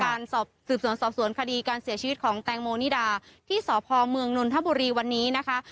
การสืบสวนสอบสวนคดีการเสียชีวิตของแตงโมนิดาที่สพเมืองนนทบุรีวันนี้นะคะ